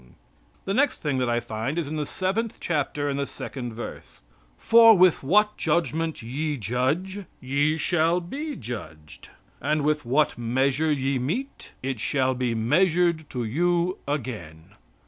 The next thing that I find is in the seventh chapter and the second verse: "For with what judgment ye judge, ye shall be judged; and with what measure ye mete, it shall be measured to you again."